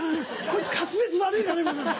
こいつ滑舌悪いから。